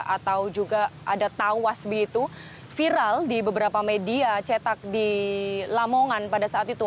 atau juga ada tawas begitu viral di beberapa media cetak di lamongan pada saat itu